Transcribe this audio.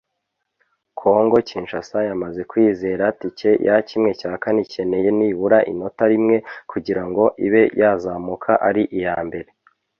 Congo Kinshasa yamaze kwizera tike ya ¼ ikeneye nibura inota rimwe kugira ngo ibe yazamuka ari iya mbere